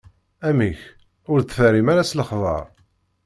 Amek, ur d-terrim ara s lexbaṛ?